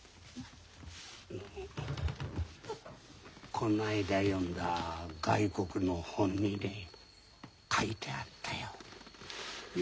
こないだ読んだ外国の本にね書いてあったよ。